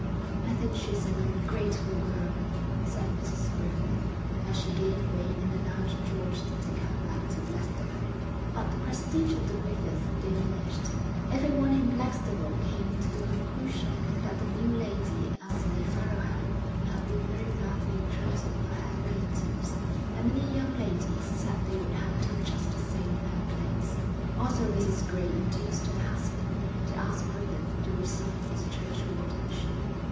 'I think she's an ungrateful girl,' said Mrs Griffith, as she gave way and allowed George to take her back to Blackstable. XII But the prestige of the Griffiths diminished. Everyone in Blackstable came to the conclusion that the new Lady Ously Farrowham had been very badly treated by her relatives, and many young ladies said they would have done just the same in her place. Also Mrs Gray induced her husband to ask Griffith to resign his churchwardenship.